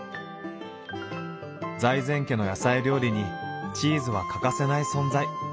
財前家の野菜料理にチーズは欠かせない存在。